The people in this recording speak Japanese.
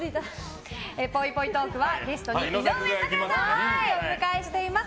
ぽいぽいトークはゲストに井上咲楽さんをお迎えしています。